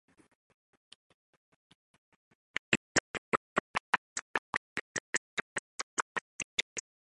The use of fewer footpaths would help reduce the disturbance to the summit species.